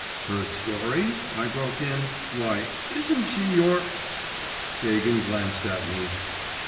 …' 'Her story?' I broke in.… 'Why, isn't she your ' Gagin glanced at me.